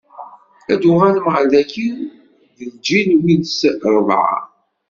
Ad d-uɣalen ɣer dagi di lǧil wis ṛebɛa.